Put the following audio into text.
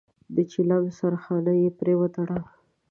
د چيلم سرخانه يې پرې وتړله.